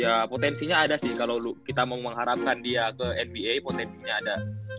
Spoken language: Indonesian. ya potensinya ada sih kalau kita mau mengharapkan dia ke nba potensinya ada